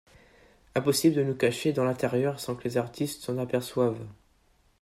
Impossible de nous cacher dans l'intérieur sans que les artistes s'en aperçoivent.